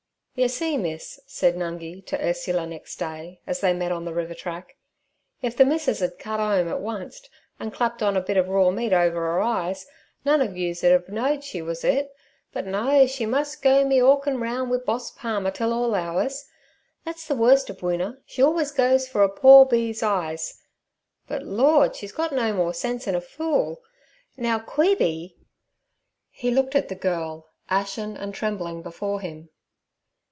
'Yer see, miss' said Nungi to Ursula next day, as they met on the river track, 'if ther missus 'ad cut 'ome at oncet and clapped on a bit ov raw meat over 'er eyes, none of yous 'ud 'av knowed she was 'it. But no, she mus' go meeorkin' roun' wi' Boss Palmer till all hours. That's the worst of Woona, she alwers goes fur a poor b—'s eyes. But, Lord, she's got no more sense 'en a fool! Now, Queeby—' He looked at the girl, ashen and trembling before him.